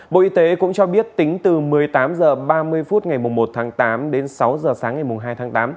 bộ y tế cũng cho biết tính từ một mươi tám h ba mươi phút ngày một tháng tám đến sáu h sáng ngày hai tháng tám